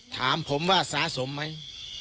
ถามผมว่าสะสมไหม